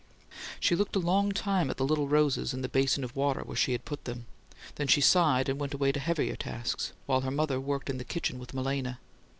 She looked a long time at the little roses in the basin of water, where she had put them; then she sighed, and went away to heavier tasks, while her mother worked in the kitchen with Malena.